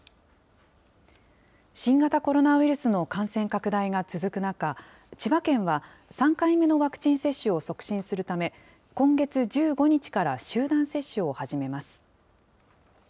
新型コロナウイルスの感染拡大が続く中、千葉県は３回目のワクチン接種を促進するため、今月１５日から集団接種を始めます。